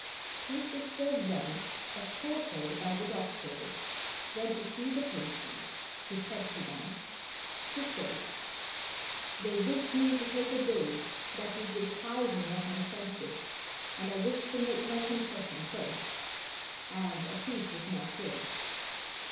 Two Sisters then, escorted by the doctors, went to see the patient, who said to them: "Sisters, they wish me to take a dose that will deprive me of my senses, and I wish to make my confession first, and a priest is not here."